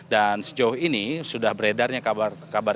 dan sejauh ini sudah beredarnya kabar kabar